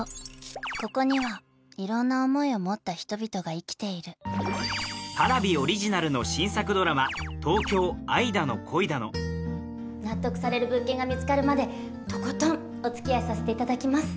ここにはいろんな思いを持った人々が生きている新作ドラマ納得される物件が見つかるまでとことんおつきあいさせていただきます